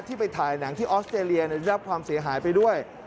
ไปถ่ายหนังที่ออสเตรเลียได้รับความเสียหายไปด้วย